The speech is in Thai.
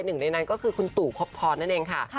หนึ่งในนั้นก็คือคุณตู่พบทรนั่นเองค่ะ